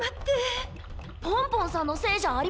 ポンポンさんのせいじゃありません。